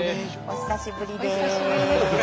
お久しぶりです。